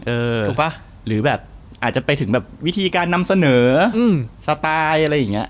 ถูกป่ะหรือแบบอาจจะไปถึงแบบวิธีการนำเสนอสไตล์อะไรอย่างนี้